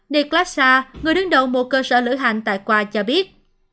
niklas shah người đứng đầu một cơ sở lửa hành tại kwa cho biết